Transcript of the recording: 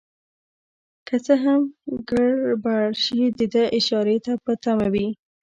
که څه ګړبړ شي دده اشارې ته په تمه وي.